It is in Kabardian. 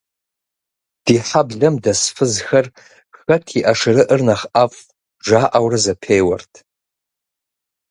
Ди хьэблэм дэс фызхэр, «хэт и ӏэшырыӏыр нэхъ ӏэфӏ» жаӏэурэ зэпеуэрт.